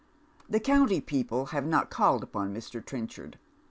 The county people have not called upon Mr. Trenchard.